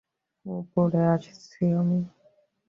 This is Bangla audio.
উপরে আসছি আমি।